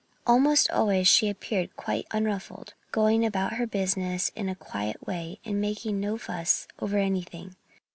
Almost always she appeared quite unruffled, going about her business in a quiet way and making no fuss over anything.